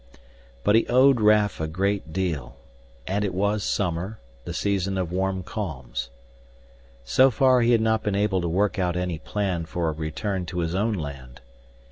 But he owed Raf a great deal, and it was summer, the season of warm calms. So far he had not been able to work out any plan for a return to his own land.